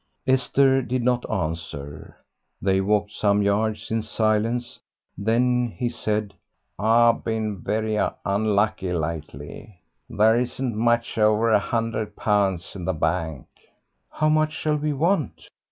Esther did not answer. They walked some yards in silence. Then he said "I've been very unlucky lately; there isn't much over a hundred pounds in the bank." "How much shall we want?"